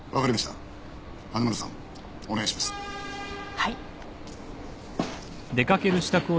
はい。